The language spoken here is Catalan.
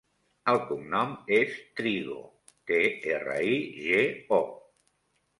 El cognom és Trigo: te, erra, i, ge, o.